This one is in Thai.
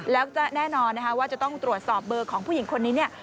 แล้วจะแน่นอนนะคะว่าจะต้องตรวจสอบเบอร์ของผู้หญิงคนนี้เนี่ย